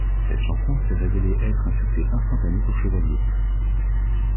Cette chanson s'est révélé être un succès instantané pour Chevalier.